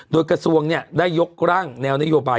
โดยกระทรวงได้ยกร่างแนวนโยบาย